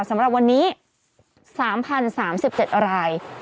สำหรับวันนี้๓๐๓๗ราย